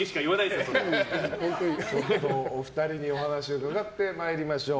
では、お二人にお話を伺ってまいりましょう。